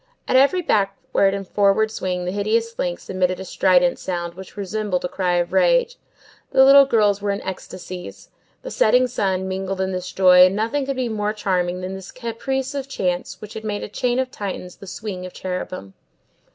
At every backward and forward swing the hideous links emitted a strident sound, which resembled a cry of rage; the little girls were in ecstasies; the setting sun mingled in this joy, and nothing could be more charming than this caprice of chance which had made of a chain of Titans the swing of cherubim.